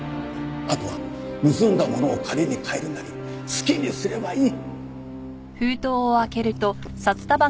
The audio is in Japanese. あとは盗んだものを金に換えるなり好きにすればいい。